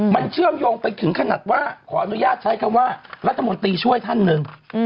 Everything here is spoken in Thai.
มันเชื่อมโยงไปถึงขนาดว่าขออนุญาตใช้คำว่ารัฐมนตรีช่วยท่านหนึ่ง